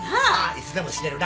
いつでも死ねるな。